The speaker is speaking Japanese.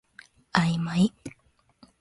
あいまい